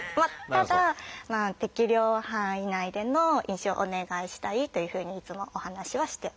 ただ適量範囲内での飲酒をお願いしたいというふうにいつもお話しはしております。